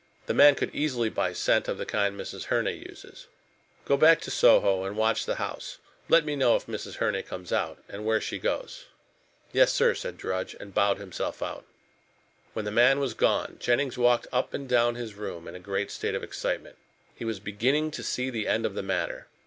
The man could easily buy scent of the kind Mrs. Herne uses. Go back to Soho and watch the house. Let me know if Mrs. Herne comes out, and where she goes." "Yes, sir," said Drudge, and bowed himself out. When the man was gone Jennings walked up and down his room in a great state of excitement. He was beginning to see the end of the matter.